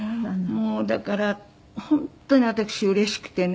もうだから本当に私うれしくてね